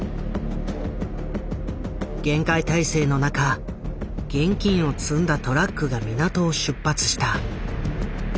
厳戒態勢の中現金を積んだトラックが港を出発した。